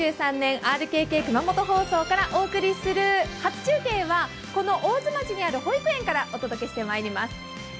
ＲＫＫ熊本放送からお送りする初中継はこの大津町のある保育園からお届けしてまいります。